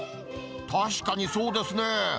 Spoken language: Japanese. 確かにそうですね。